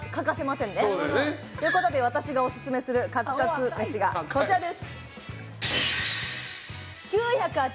そうだよね。ということで私がお薦めするカツカツ飯がこちらです。